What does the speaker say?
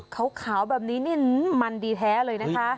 ขาวแบบนี้นี่มันดีแท้เลยนะคะ